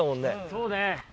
そうね。